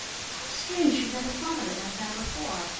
How strange she'd never thought of it like that before!